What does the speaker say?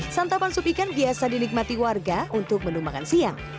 santapan sup ikan biasa dinikmati warga untuk menu makan siang